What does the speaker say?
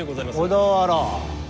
小田原？